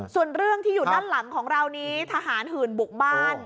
ส่วนเรื่องที่อยู่ด้านหลังของเรานี้ทหารหื่นบุกบ้าน